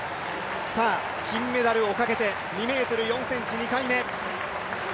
金メダルをかけて２ｍ４ｃｍ２回目。